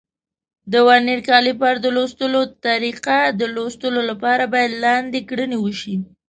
د ورنیر کالیپر د لوستلو طریقه: د لوستلو لپاره باید لاندې کړنې وشي.